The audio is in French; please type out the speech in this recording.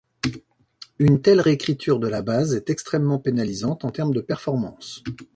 Une telle réécriture de la base est extrêmement pénalisante en termes de performance.